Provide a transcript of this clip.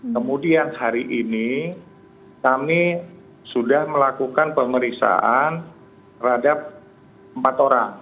kemudian hari ini kami sudah melakukan pemeriksaan terhadap empat orang